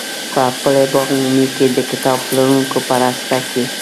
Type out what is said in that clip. په پل باغ عمومي کې د کتاب پلورونکو په راسته کې.